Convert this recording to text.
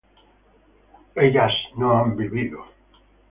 ellas no han vivido